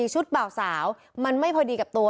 ชุดเบาสาวมันไม่พอดีกับตัว